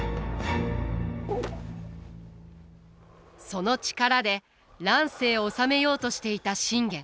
その力で乱世を治めようとしていた信玄。